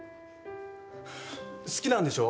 好きなんでしょう？